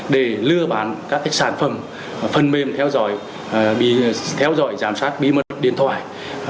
để lừa bán các sản phẩm phần mềm theo dõi giám sát bí mật điện thoại